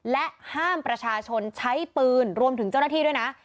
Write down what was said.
และห้ามประชาชนใช้ปืนรวมถึงเจ้าหน้าที่ด้วยนะ